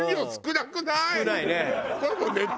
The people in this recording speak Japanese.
少ないね。